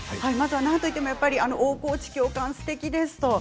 なんといっても大河内教官がすてきです。